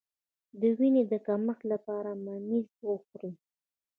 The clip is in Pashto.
د وینې د کمښت لپاره ممیز وخورئ